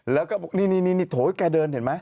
แล้วก็บอกนี่โถแกเดินเห็นไหม